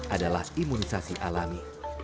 adalah imunisasi alami